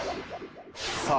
さあ